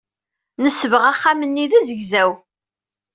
Nesbeɣ axxam-nni d azegzaw.